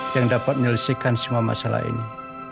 yang dapat menyelesaikan semua masalah ini